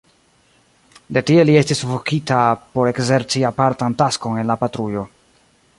De tie li estis vokita por ekzerci apartan taskon en la patrujo.